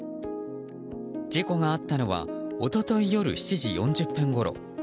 事故があったのは一昨日夜７時４０分ごろ。